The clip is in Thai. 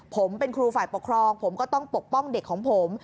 ผมเป็นครูฝ่ายปกครองผมก็ต้องปกป้องเด็กของผม